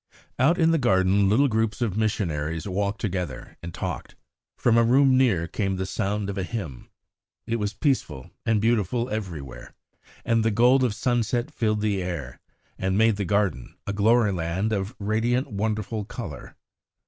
Out in the garden little groups of missionaries walked together and talked. From a room near came the sound of a hymn. It was peaceful and beautiful everywhere, and the gold of sunset filled the air, and made the garden a glory land of radiant wonderful colour.